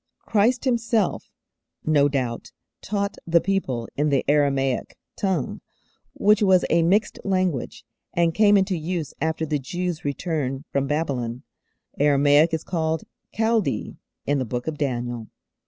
Christ Himself no doubt taught the people in the Aramaic tongue, which was a mixed language, and came into use after the Jews' return from Babylon. Aramaic is called 'Chaldee' in the Book of Daniel.